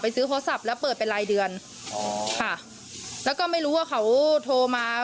ซื้อโทรศัพท์แล้วเปิดเป็นรายเดือนอ๋อค่ะแล้วก็ไม่รู้ว่าเขาโทรมา